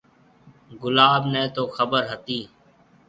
گلاب نَي تو خبر ھتِي۔